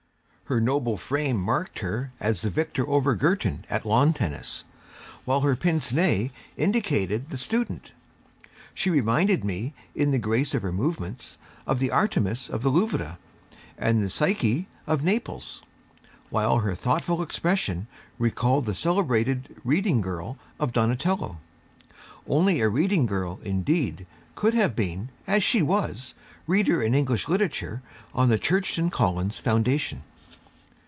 Her noble frame marked her as the victor over Girton at lawn tennis; while her pince nez indicated the student. She reminded me, in the grace of her movements, of the Artemis of the Louvre and the Psyche of Naples, while her thoughtful expression recalled the celebrated 'Reading Girl' of Donatello. Only a reading girl, indeed, could have been, as she was, Reader in English Literature on the Churton Collins Foundation.